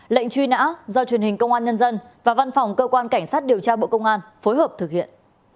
lệnh truy nã do truyền hình công an nhân dân và văn phòng cơ quan cảnh sát điều tra bộ công an phối hợp thực hiện